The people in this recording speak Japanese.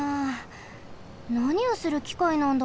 なにをするきかいなんだろう？